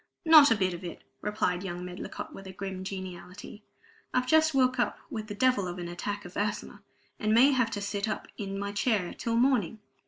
"Not a bit of it," replied young Medlicott, with a grim geniality. "I've just woke up with the devil of an attack of asthma, and may have to sit up in my chair till morning.